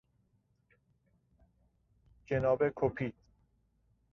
جناب کوپید